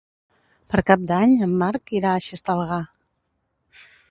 Per Cap d'Any en Marc irà a Xestalgar.